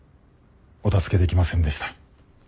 お助けできませんでした。